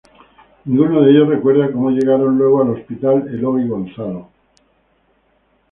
Ninguno de ellos recuerda cómo llegaron luego al Hospital Eloy Gonzalo.